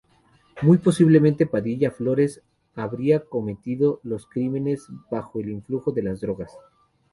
Muy posiblemente, Padilla Flores habría cometido los crímenes bajo el influjo de las drogas.